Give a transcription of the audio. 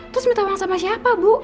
terus minta uang sama siapa bu